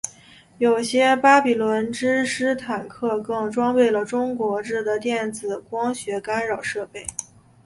有些巴比伦之狮坦克更装备了中国制的电子光学干扰设备。